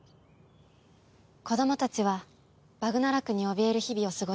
子供たちはバグナラクにおびえる日々を過ごしてる。